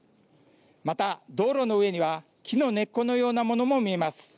また道路の上には木の根っこのようなものも見えます。